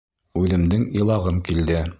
Үҙемдең илағым килде.